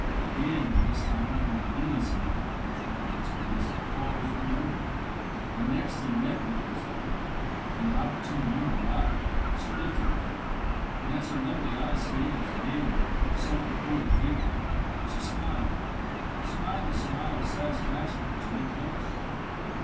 Again this time for an endless amount of trouble and expense Paul was rewarded. When next he met mademoiselle, and an opportune moment arrived, she looked at him, and as her lovely eyes scanned his manly, if somewhat portly figure, she smiled smiled a smile of satisfaction which meant much.